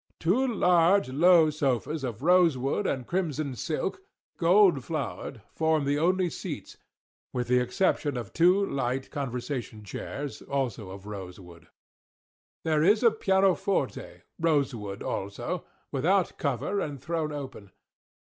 Two large low sofas of rosewood and crimson silk, gold flowered, form the only seats, with the exception of two light conversation chairs, also of rose wood. There is a pianoforte (rose wood, also), without cover, and thrown open.